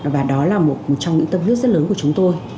và đó là một trong những tâm huyết rất lớn của chúng tôi